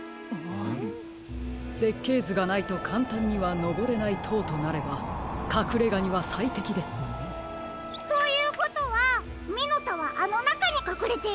せっけいずがないとかんたんにはのぼれないとうとなればかくれがにはさいてきですね。ということはミノタはあのなかにかくれているんですか？